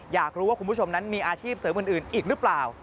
อยากรู้ว่าคุณผู้ชมนั้นมีอาชีพเสริมอื่นอีกหรือเปล่า